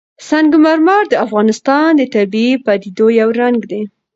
سنگ مرمر د افغانستان د طبیعي پدیدو یو رنګ دی.